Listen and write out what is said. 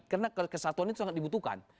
karena kesatuan itu sangat dibutuhkan